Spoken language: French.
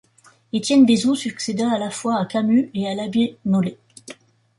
Étienne Bézout succéda à la fois à Camus et à l'abbé Nollet.